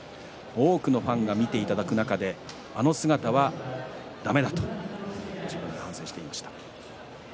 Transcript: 多くのファンが見ていただく中であの姿はだめだと自分で反省していました。